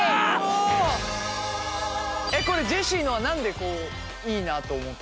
えっこれジェシーのは何でいいなと思ったんですか？